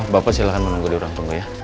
bapak silahkan menunggu di ruang tunggu ya